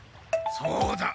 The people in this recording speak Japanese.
そうだ！